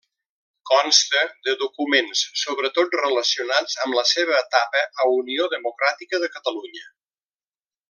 Consta de documents sobretot relacionats amb la seva etapa a Unió Democràtica de Catalunya.